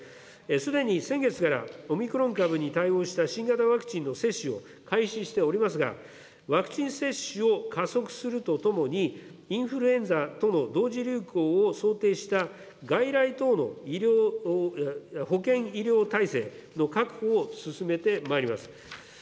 すでに先月からオミクロン株に対応した新型ワクチンの接種を開始しておりますが、ワクチン接種を加速するとともに、インフルエンザとの同時流行を想定した外来等の保健医療体制の確保を進めてまいります。